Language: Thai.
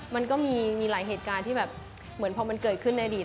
มันก็มีหลายเหตุการณ์ที่แบบเหมือนพอมันเกิดขึ้นในอดีต